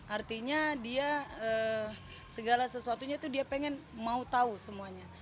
artinya dia segala sesuatunya itu dia pengen mau tahu semuanya